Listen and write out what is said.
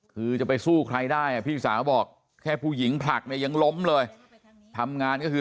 คือจะไปสู้ใครได้อ่ะพี่สาวบอกแค่ผู้หญิงผลักเนี่ยยังล้มเลยทำงานก็คือ